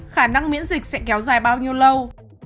khả năng miễn dịch sẽ kéo dài bao nhiêu lâu